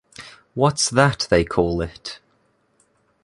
What's that they call it?